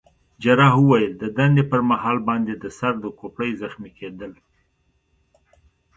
جراح وویل: د دندې پر مهال باندي د سر د کوپړۍ زخمي کېدل.